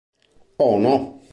Oh No